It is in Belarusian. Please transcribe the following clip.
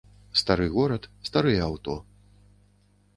Стары горад, старыя аўто.